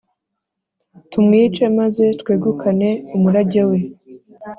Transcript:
Tumwice maze twegukane umurage we